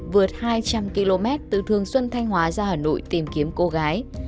vượt hai trăm linh km từ thường xuân thanh hóa ra hà nội tìm kiếm cô gái